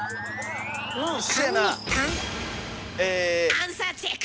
アンサーチェック！